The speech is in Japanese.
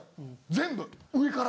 全部上から。